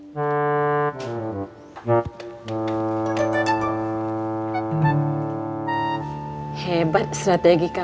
mak tinggal dulu ya